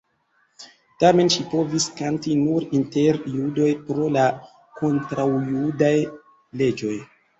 Tamen ŝi povis kanti nur inter judoj pro la kontraŭjudaj leĝoj.